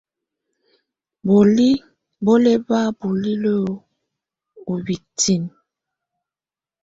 Bùóli bɔ́ lɛ bá bulilǝ́ ú bǝ́tinǝ́.